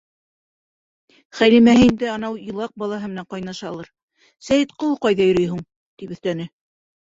— Хәлимәһе инде анау илаҡ балаһы менән ҡайнашалыр, Сәйетҡоло ҡайҙа йөрөй һуң? — тип өҫтәне.